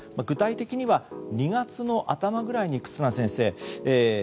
具体的には２月の頭ぐらいに忽那先生